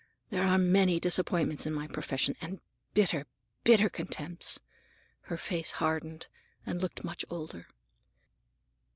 There are many disappointments in my profession, and bitter, bitter contempts!" Her face hardened, and looked much older.